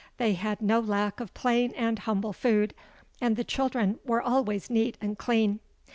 They had no lack of plain and humble food—and the children were always neat and clean.